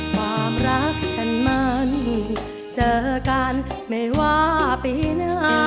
ความรักฉันมันเจอกันไม่ว่าปีหน้า